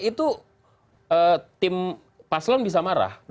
itu tim paslon bisa marah